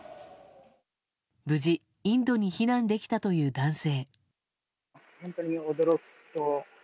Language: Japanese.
無事、インドに避難できたという男性。